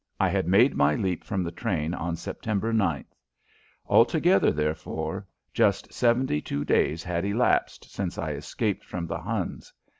I had made my leap from the train on September 9th. Altogether, therefore, just seventy two days had elapsed since I escaped from the Huns.